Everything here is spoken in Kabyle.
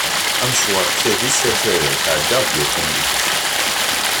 Amecwar seg tadist ar tarrawt, ɛeddaɣ-d yakkan deg-s.